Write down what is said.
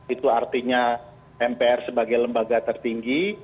itu artinya mpr sebagai lembaga tertinggi